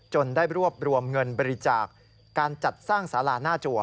ได้รวบรวมเงินบริจาคการจัดสร้างสาราหน้าจัว